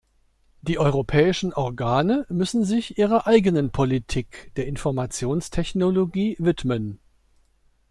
Die europäischen Organe müssen sich ihrer eigenen Politik der Informationstechnologie widmen.